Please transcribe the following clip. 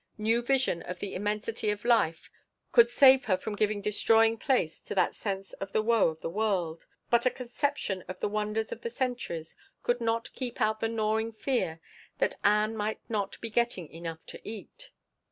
New vision of the immensity of life could save her from giving destroying place to that sense of the woe of the world, but a conception of the wonders of the centuries could not keep out the gnawing fear that Ann might not be getting enough to eat.